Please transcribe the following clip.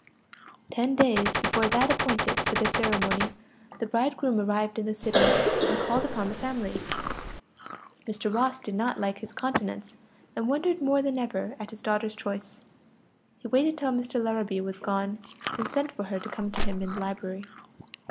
Ten days before that appointed for the ceremony, the bridegroom arrived in the city, and called upon the family. Mr. Ross did not like his countenance, and wondered more than ever at his daughter's choice. He waited till Mr. Larrabee was gone, then sent for her to come to him in the library.